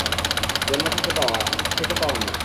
জন্মসূত্রে পাওয়া, খেটে পাওয়া নয়।